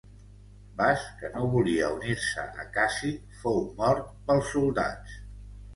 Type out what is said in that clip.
Bas, que no volia unir-se a Cassi, fou mort pels soldats.